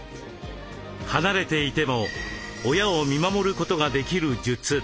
離れていても親を見守ることができる術。